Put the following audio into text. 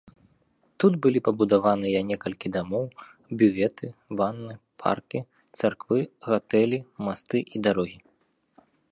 Тут былі пабудаваныя некалькі дамоў, бюветы, ванны, паркі, царквы, гатэлі, масты і дарогі.